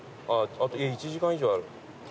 あと１時間以上ある。